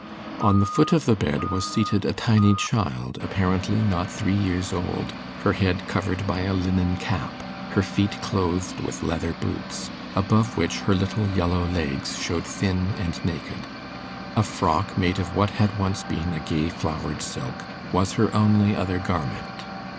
On the foot of the bed was seated a tiny child, apparently not three years old, her head covered by a linen cap, her feet clothed with leather boots, above which her little yellow legs showed thin and naked. A frock, made of what had once been a gay flowered silk, was her only other garment.